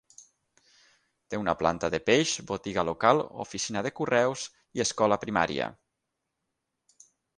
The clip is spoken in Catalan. Té una planta de peix, botiga local, oficina de correus i escola primària.